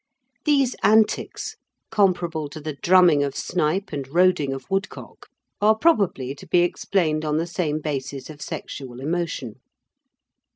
These antics, comparable to the drumming of snipe and roding of woodcock, are probably to be explained on the same basis of sexual emotion.